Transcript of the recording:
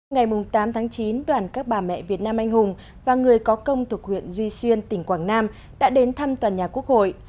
ngày tám chín đoàn các bà mẹ việt nam anh hùng và người có công thuộc huyện duy xuyên tỉnh quảng nam đã đến thăm tòa nhà quốc hội